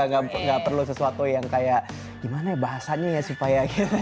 gak perlu sesuatu yang kayak gimana ya bahasanya ya supaya gitu